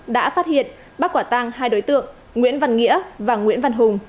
đã phát hiện bắt quả tang hai đối tượng nguyễn văn nghĩa và nguyễn văn hùng